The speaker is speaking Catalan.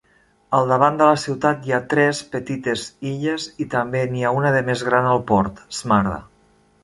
Al davant de la ciutat hi ha tres petites illes i també n'hi ha una de més gran al port, Smarda.